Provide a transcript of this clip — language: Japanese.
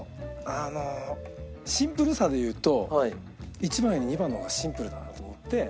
あのシンプルさで言うと１番より２番の方がシンプルだなと思って。